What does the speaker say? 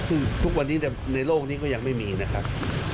ซึ่งทุกวันนี้ในโลกนี้ก็ยังไม่มีนะครับ